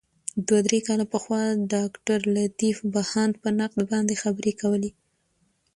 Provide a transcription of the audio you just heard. دوه درې کاله پخوا ډاګټرلطیف بهاند په نقد باندي خبري کولې.